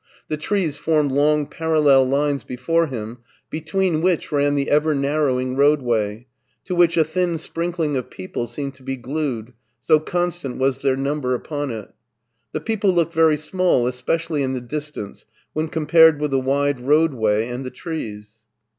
The trees formed long parallel lines before him, between which ran the ever narrowing roadway, to which a thin sprinkling of people seemed to be glued, so constant was their number upon it. The people looked very small, especially in the distance, when compared with the wide roadway and the trees.